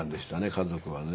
家族はね。